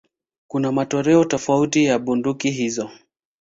Kuna matoleo tofauti ya bunduki hizo.